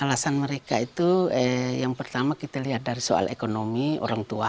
alasan mereka itu yang pertama kita lihat dari soal ekonomi orang tua